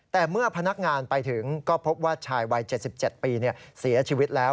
แต่เมื่อพนักงานไปถึงก็พบว่าชายวัย๗๗ปีเสียชีวิตแล้ว